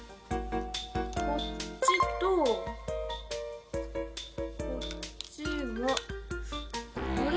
こっちとこっちはあれ？